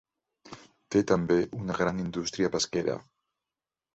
Té també una gran indústria pesquera.